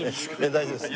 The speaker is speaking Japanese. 大丈夫です。